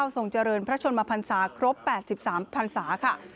ทรงเจริญพระชนมพันศาครบ๘๓พันศาค่ะ